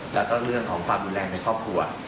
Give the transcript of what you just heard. และก็เรื่องของความดูแลในครอบครัว